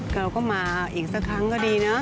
เราก็มาอีกสักครั้งก็ดีนะ